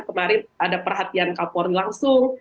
kemarin ada perhatian kapolri langsung